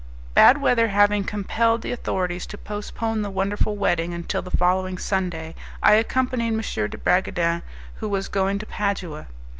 Bad weather having compelled the authorities to postpone the wonderful wedding until the following Sunday, I accompanied M. de Bragadin, who was going to Padua.